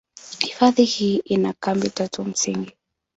Hifadhi hii ina kambi tatu msingi.